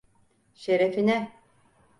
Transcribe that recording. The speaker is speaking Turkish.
Şerefine!